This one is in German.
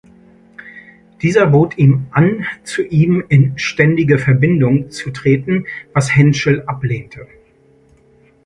Dieser bot ihm an, zu ihm „in ständige Verbindung“ zu treten, was Hentschel ablehnte.